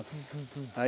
はい。